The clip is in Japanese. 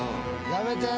やめて！